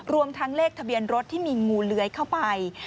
รวมทั้งเลขทะเบียนรถที่มีงูเลื้อยเข้าไป